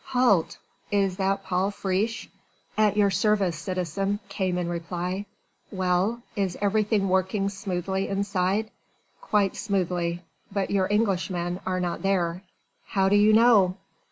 "Halt! Is that Paul Friche?" "At your service, citizen," came in reply. "Well! Is everything working smoothly inside?" "Quite smoothly; but your Englishmen are not there." "How do you know?"